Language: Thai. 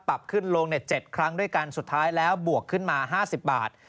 ปรับขึ้นลง๗ครั้งด้วยกันสุดท้ายแล้วบวกขึ้นมา๕๐บาท